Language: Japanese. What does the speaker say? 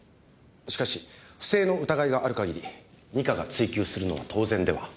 しかし不正の疑いがある限り二課が追求するのは当然では？